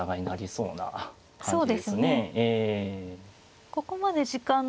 そうですね。